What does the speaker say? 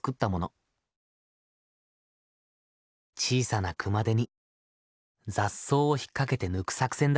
小さな熊手に雑草を引っ掛けて抜く作戦だ。